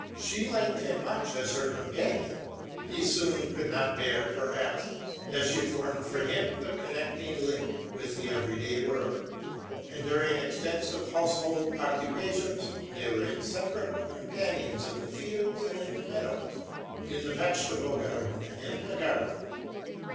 She liked him much as her companion; he soon could not bear her absence, as she formed for him the connecting link with the every day world; and, during extensive household occu pations, they were inseparable companions in the fields and in the meadows, in the vegetable ground and in the garden.